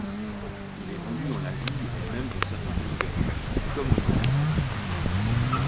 Il est vendu en Asie et même dans certains pays d'Europe comme en Italie.